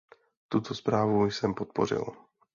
Tuto zprávu jsem podpořil.